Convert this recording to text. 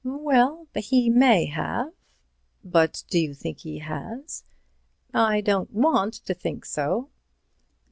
"Well, he may have." "But do you think he has?" "I don't want to think so."